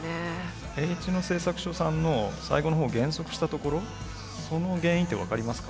Ｈ野製作所さんの最後の方減速したところその原因って分かりますか？